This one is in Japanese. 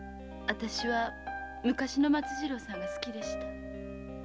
私は昔の松次郎さんが好きでした。